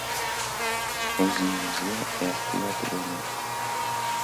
O‘zingizga ehtiyot bo‘ling.